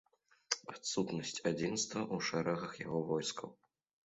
Адсутнасць адзінства ў шэрагах яго войскаў.